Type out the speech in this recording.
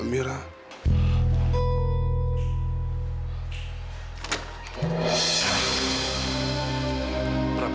amirah kita harus berjalan